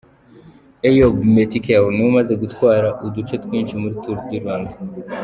Eyob Metkel niwe umaze gutwara uduce twinshi muri Tour du Rwanda.